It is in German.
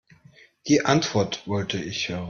Die Antwort wollte ich hören.